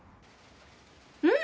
うん！